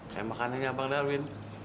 kayak makannya abang darwin